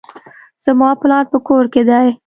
زما پلار په کور کښي دئ.